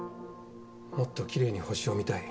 もっときれいに星を見たい。